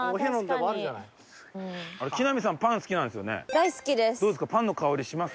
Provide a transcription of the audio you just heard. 大好きです。